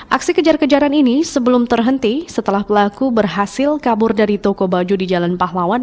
aksi kejar kejaran ini sebelum terhenti setelah pelaku berhasil kabur dari toko baju di jalan pahlawan